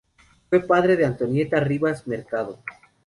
Fue padre de Antonieta Rivas Mercado.